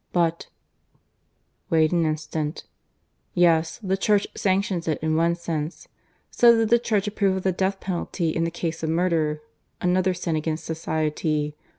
"But " "Wait an instant. ... Yes, the Church sanctions it in one sense. So did the Church approve of the death penalty in the case of murder another sin against society.